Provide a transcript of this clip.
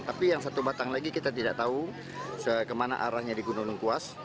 tapi yang satu batang lagi kita tidak tahu kemana arahnya di gunung lengkuas